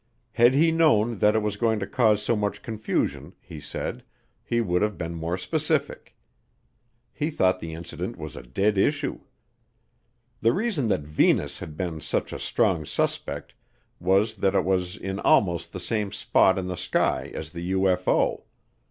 Had he known that it was going to cause so much confusion, he said, he would have been more specific. He thought the incident was a dead issue. The reason that Venus had been such a strong suspect was that it was in almost the same spot in the sky as the UFO.